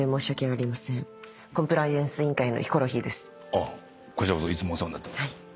あっこちらこそいつもお世話になってます。